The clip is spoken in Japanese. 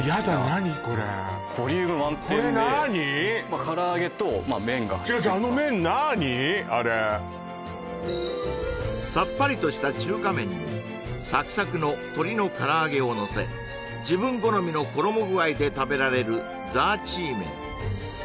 何これボリューム満点でまあ唐揚げと麺が違う違うさっぱりとした中華麺にサクサクの鶏の唐揚げをのせ自分好みの衣具合で食べられる炸鶏麺